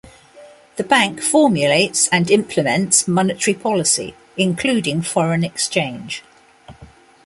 The bank formulates and implements monetary policy, including foreign exchange.